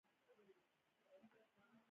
بزګر ته د کښت فصل امید دی